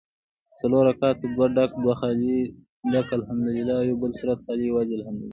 څلور رکعته دوه ډک دوه خالي ډک الحمدوالله او یوبل سورت خالي یوازي الحمدوالله